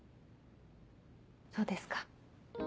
そうですか。